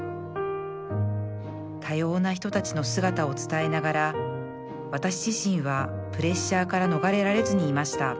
多様な人たちの姿を伝えながら私自身はプレッシャーから逃れられずにいました